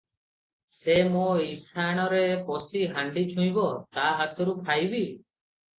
ସେ ମୋ ଇଶାଣରେ ପଶି ହାଣ୍ଡି ଛୁଇଁବ, ତା ହାତରୁ ଖାଇବି?